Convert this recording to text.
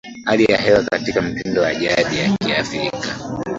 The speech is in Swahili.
Hali ya hewa katika mtindo wa jadi ya Kiafrika